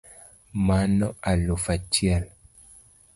Mano alufu achiel